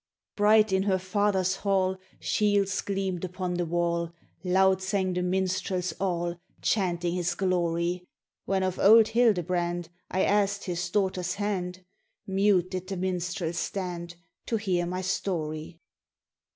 "Bright in her father's hall Shields gleamed upon the wall, Loud sang the minstrels all, Chanting his glory; RAINBOW GOLD When of old Hildebrand I asked his daughter's hand, Mute did the minstrels stand To hear my story.